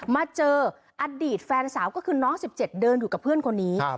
มาเจออดีตแฟนสาวก็คือน้อง๑๗เดินอยู่กับเพื่อนคนนี้